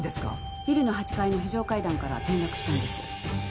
ビルの８階の非常階段から転落したんです。